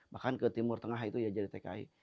bahkan ke timur tengah itu ya jadi tki